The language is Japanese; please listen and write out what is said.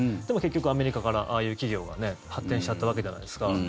でも結局、アメリカからああいう企業が発展しちゃったわけじゃないですか。